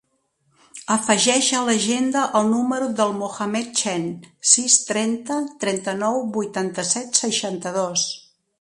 Afegeix a l'agenda el número del Mohammed Chen: sis, trenta, trenta-nou, vuitanta-set, seixanta-dos.